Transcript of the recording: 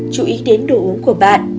một mươi chú ý đến nhau